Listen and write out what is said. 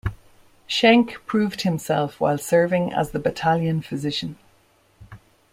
Schenck proved himself while serving as the battalion physician.